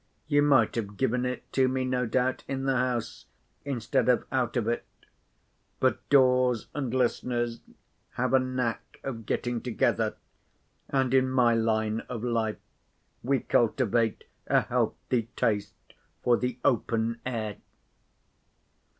You might have given it to me no doubt, in the house, instead of out of it. But doors and listeners have a knack of getting together; and, in my line of life, we cultivate a healthy taste for the open air."